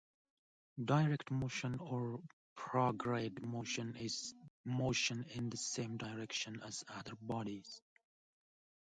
Direct motion or prograde motion is motion in the same direction as other bodies.